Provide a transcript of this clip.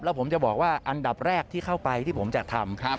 แล้วผมจะบอกว่าอันดับแรกที่เข้าไปที่ผมจะทำ